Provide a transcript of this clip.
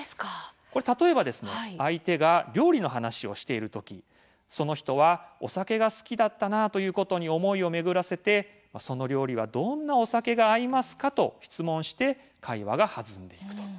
例えば、相手が料理の話をしている時にその人がお酒が好きなことに思いを巡らせて、その料理はどんなお酒が合いますかと質問して会話が弾んでいくと。